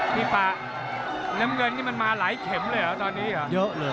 พี่ปางเต้นนี่มันมาหลายเข็มเลยหรอ